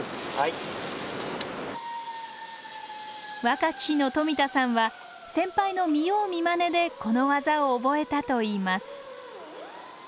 若き日の富田さんは先輩の見よう見まねでこの技を覚えたといいます